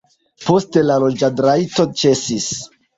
Poste la loĝadrajto ĉesis.